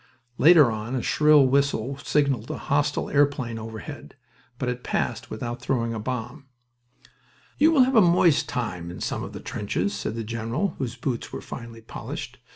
Later on a shrill whistle signaled a hostile airplane overhead, but it passed without throwing a bomb. "You will have a moist time in some of the trenches," said the general (whose boots were finely polished).